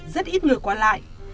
rất ít người qua lại